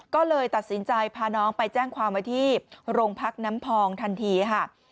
ก็เลยตัดสินใจพาน้องไปแจ้งความไว้ที่โรงพักน้ำพองทันทีค่ะ